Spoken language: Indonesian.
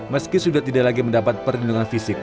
meski sudah tidak lagi mendapat perlindungan fisik